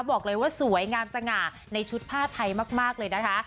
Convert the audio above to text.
บอกเลยว่าสวยงามสง่าในชุดผ้าไทยมากเลยนะคะ